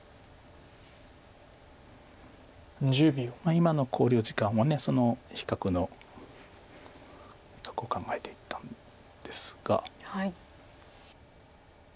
今の考慮時間はその比較の考えていたんですが。